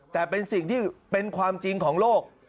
แต่เป็นสิ่งที่เป็นความจริงของโลก